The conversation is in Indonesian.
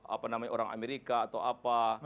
apa namanya orang amerika atau apa